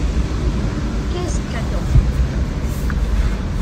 Qu’est-ce qu’Adam ?